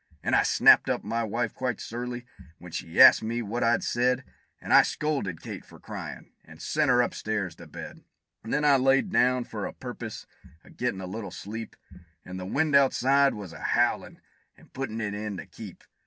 And I snapped up my wife quite surly when she asked me what I'd said, And I scolded Kate for cryin', and sent her up stairs to bed; And then I laid down, for the purpose of gettin' a little sleep, An' the wind outside was a howlin', and puttin' it in to keep.